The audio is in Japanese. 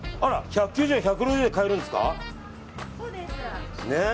１９０円、１６０円で買えるんですか？